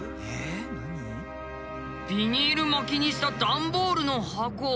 ビニール巻きにした段ボールの箱。